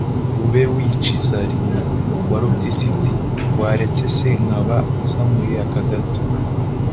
bube wica isari. “ Warupyisi iti: “Waretse se nkaba nsamuye aka gato,